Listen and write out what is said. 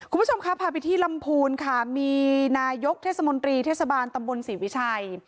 คุณผู้ชมครับพาไปที่ลำพูนค่ะมีนายกเทศมนตรีเทศบาลตำบลศรีวิชัย